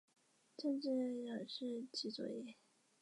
此科蜊类会将壳内孵化的幼体排至周围水中。